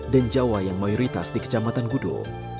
dan jawa yang mayoritas di kecamatan gudo